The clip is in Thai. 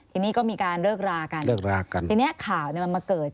ทีนี้ก็มีการเลิกรากันเลิกรากันทีเนี้ยข่าวเนี้ยมันมาเกิด